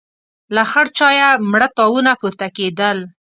له خړ چايه مړه تاوونه پورته کېدل.